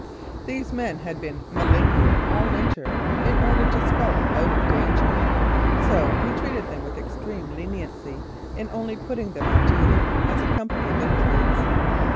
These men had been malingering all winter in order to skulk out of danger; so he treated them with extreme leniency in only putting them on duty as a 'company of Invalids.'